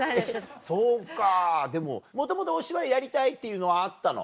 そうかでももともとお芝居やりたいっていうのはあったの？